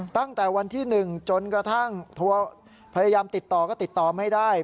ตั้งแต่วันที่๑จนกระทั่งทัวร์พยายามติดต่อก็ติดต่อไม่ได้